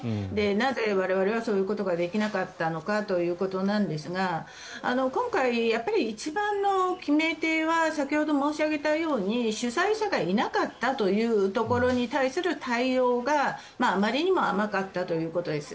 なぜ我々はそういうことができなかったのかということなんですが今回、一番の決め手は先ほど申し上げたように主催者がいなかったというところに対する対応があまりにも甘かったということです。